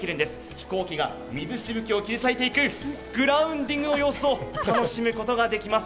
飛行機が水しぶきを切り裂いていくグランディングの様子を楽しむことができます。